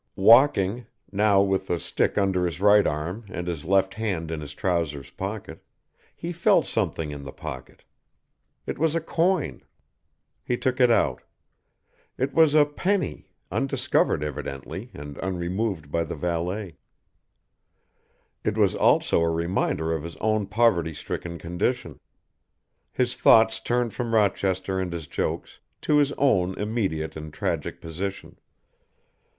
Walking, now with the stick under his right arm and his left hand in his trousers pocket, he felt something in the pocket. It was a coin. He took it out. It was a penny, undiscovered evidently, and unremoved by the valet. It was also a reminder of his own poverty stricken condition. His thoughts turned from Rochester and his jokes, to his own immediate and tragic position.